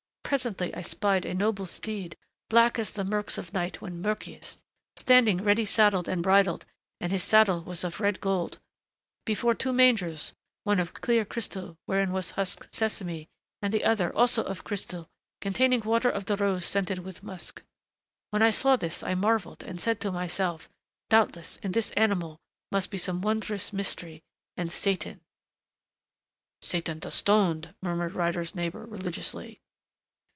Presently, I spied a noble steed, black as the murks of night when murkiest, standing ready saddled and bridled (and his saddle was of red gold) before two mangers one of clear crystal wherein was husked sesame, and the other, also of crystal containing water of the rose scented with musk. When I saw this I marveled and said to myself, 'Doubtless in this animal must be some wondrous mystery, and Satan '" "Satan the Stoned!" murmured Ryder's neighbor religiously.